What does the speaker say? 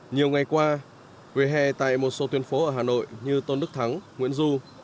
nhiều ngày qua về hè tại một số tuyến phố ở hà nội như tôn đức thắng nguyễn du